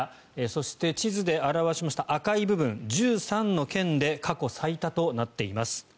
そして地図で表しました赤い部分１３の県で過去最多となっています。